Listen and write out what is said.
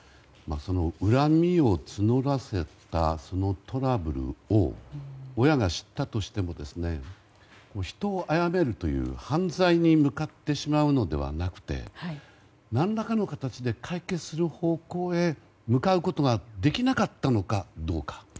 恨みを募らせたそのトラブルを親が知ったとしても人を殺めるという犯罪に向かってしまうのではなくて何らかの形で解決する方向へ向かうことができなかったのかどうか。